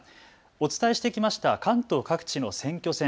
お伝えしてきました関東各地の選挙戦。